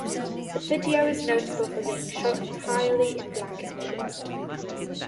The video is notable for being shot entirely in black-and-white.